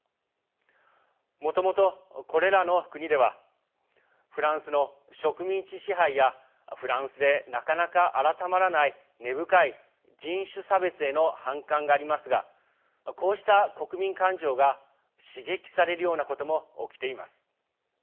もともと、これらの国ではフランスの植民地支配やフランスで、なかなか改まらない根深い人種差別への反感がありますがこうした国民感情が刺激されるようなことも起きています。